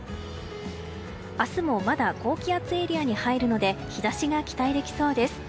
明日もまだ高気圧エリアに入るので日差しが期待できそうです。